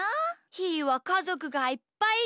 ひーはかぞくがいっぱいいて。